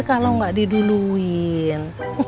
kalo gak diduluin